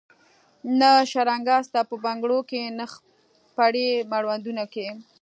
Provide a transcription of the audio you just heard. نه شرنګا سته په بنګړو کي نه خپړي مړوندو کي